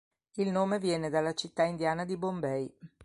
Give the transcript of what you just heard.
Il nome viene dalla città indiana di Bombay.